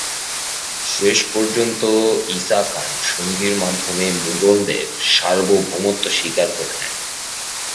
শেষ পর্যন্ত ঈসা খান সন্ধির মাধ্যমে মুগলদের সার্বভৌমত্ব স্বীকার করে নেন।